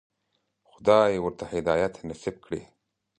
خدای ورته هدایت نصیب کړی.